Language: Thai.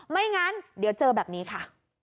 ไม่งั้นเดี๋ยวเจอแบบนี้ค่ะ